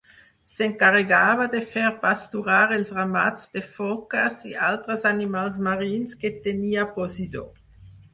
S'encarregava de fer pasturar els ramats de foques i altres animals marins que tenia Posidó.